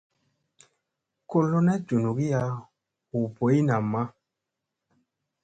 Ko lona njunugiya huu boy naa ma.